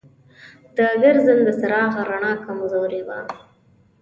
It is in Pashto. د ګرځنده چراغ رڼا کمزورې وه.